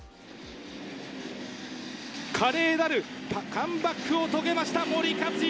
華麗なるカムバックを遂げました森且行。